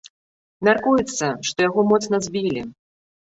Мяркуецца, што яго моцна збілі.